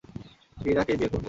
টিনাকেই বিয়ে করবো।